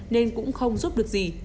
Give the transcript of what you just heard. nên cũng không giúp được gì